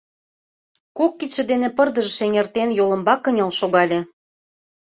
Кок кидше дене пырдыжыш эҥертен, йолымбак кынел шогале.